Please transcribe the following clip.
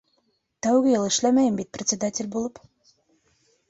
Тәүге йыл эшләмәйем бит председатель булып...